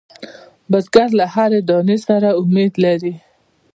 بزګر له هر دانې سره امید لري